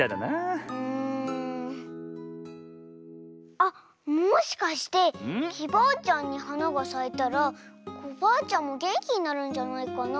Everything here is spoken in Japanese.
あっもしかしてきバアちゃんにはながさいたらコバアちゃんもげんきになるんじゃないかな？